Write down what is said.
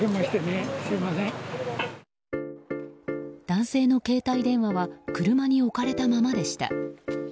男性の携帯電話は車に置かれたままでした。